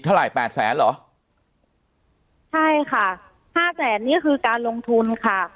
เท่าไหร่แปดแสนเหรอใช่ค่ะห้าแสนนี่คือการลงทุนค่ะ